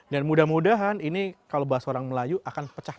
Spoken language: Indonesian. dan mudah mudahan ini kalau bahasa orang melayu akan pecah